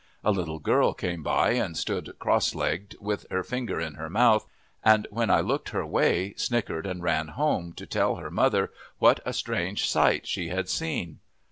A little girl came by and stood cross legged with her finger in her mouth, and, when I looked her way, snickered and ran home to tell her mother what a strange sight she had seen.